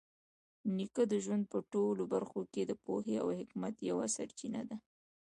نیکه د ژوند په ټولو برخو کې د پوهې او حکمت یوه سرچینه ده.